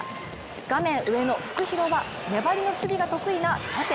画面上のフクヒロは粘りの守備が得意なタテ。